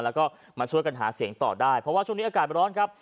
แล้วก็มาช่วยกันหาเสียงต่อได้เพราะว่าช่วงนี้อากาศร้อนครับ